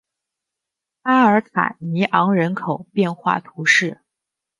阿尔塔尼昂人口变化图示